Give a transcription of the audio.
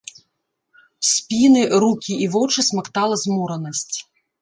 Спіны, рукі і вочы смактала зморанасць.